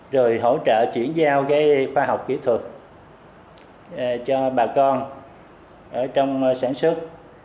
rồi hỗ trợ chuyển giao cái khoa học kỹ thuật cho bà con ở trong sản xuất